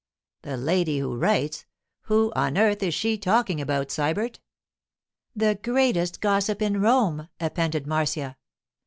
'The Lady who Writes? Who on earth is she talking about, Sybert?' 'The greatest gossip in Rome,' appended Marcia.